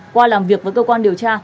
qua làm việc với cơ quan điều tra